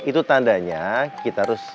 itu tandanya kita harus